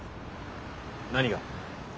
何が？